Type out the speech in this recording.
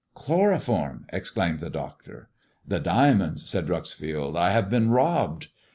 " Chloroform !" exclaimed the doctor. " The diamonds !" said Dreuxfield. " I have been robbed."